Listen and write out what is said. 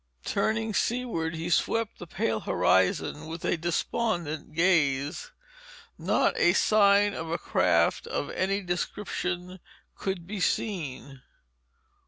Turning seaward he swept the pale horizon with a despondent gaze. Not a sign of a craft of any description could be seen.